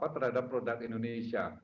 terhadap produk indonesia